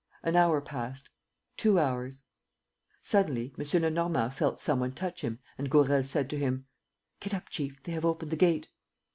An hour passed, two hours. Suddenly, M. Lenormand felt some one touch him and Gourel said to him: "Get up, chief; they have opened the gate."